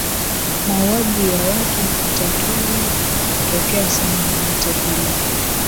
mauaji ya watu hatakiwi kutokea sehemu yoyote hile